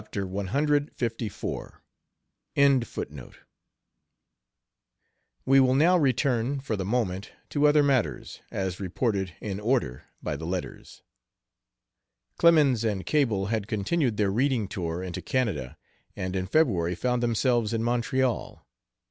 cliv.] We will now return for the moment to other matters, as reported in order by the letters. Clemens and Cable had continued their reading tour into Canada, and in February found themselves in Montreal.